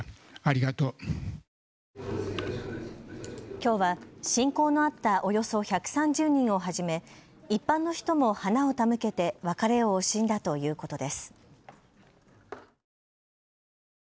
きょうは親交のあったおよそ１３０人をはじめ一般の人も花を手向けて別れを惜しんだということです。